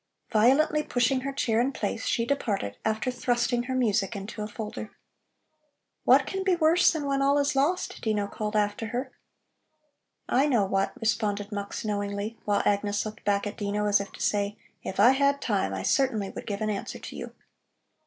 Violently pushing her chair in place, she departed, after thrusting her music into a folder. "What can be worse than when all is lost?" Dino called after her. "I know what," responded Mux knowingly, while Agnes looked back at Dino as if to say: If I had time I certainly would give an answer to you.